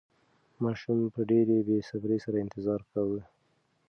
ماشوم په ډېرې بې صبرۍ سره انتظار کاوه.